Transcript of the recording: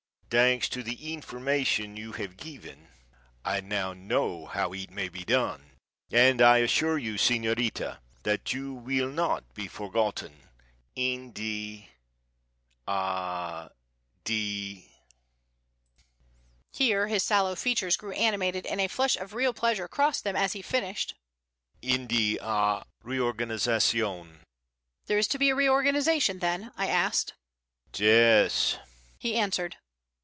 Thanks to the information you have given, I now know how it may be done, and I assure you, señorita, that you will not be forgotten in the ah the " here his sallow features grew animated, and a flush of real pleasure crossed them as he finished "in the ah reorganization." "There is to be a reorganization, then?" I asked. "Yes," he answered.